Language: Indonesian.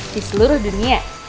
di seluruh dunia